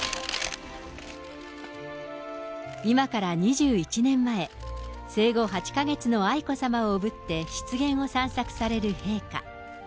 今から２１年前、生後８か月の愛子さまを負ぶって湿原を散策される陛下。